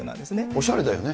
おしゃれだよね。